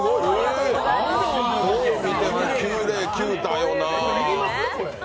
どう見ても９０９だよな。